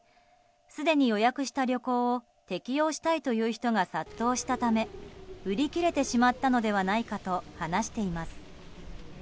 すでに予約した旅行を適用したいという声が殺到したため売り切れてしまったのではないかと話しています。